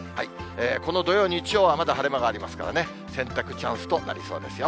この土曜、日曜はまだ晴れ間がありますからね、洗濯チャンスとなりそうですよ。